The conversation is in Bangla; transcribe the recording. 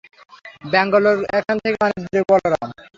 ব্যাঙ্গালোর এখান থেকে অনেক দূরে, বলরাম।